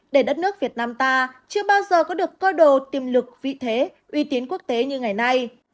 để đất nước việt nam ta chưa bao giờ có được cơ đồ tiềm lực vị thế uy tín quốc tế như ngày nay